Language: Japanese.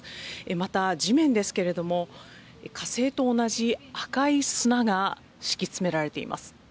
また、地面ですけども火星と同じ赤い砂が敷き詰められています。